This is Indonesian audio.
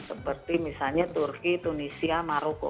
seperti misalnya turki tunisia maroko